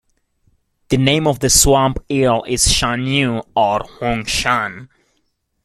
The name of the swamp eel is "shan yu" or "huang shan".